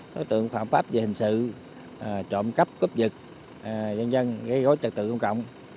đối tượng phạm pháp về hình sự trộm cắp cúp dựt dân dân gây gói trật tự công cộng